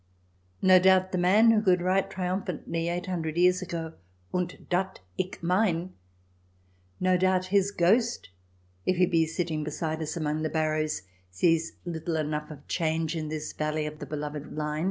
No doubt the man who could write triumphantly eight hundred years ago, " Und dat ick mein" — no doubt his ghost, if it be sitting beside us amongst the barrows, sees little enough of change in his valley of the beloved Lein.